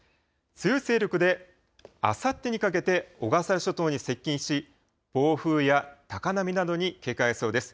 強い勢力であさってにかけて小笠原諸島に接近し、暴風や高波などに警戒が必要です。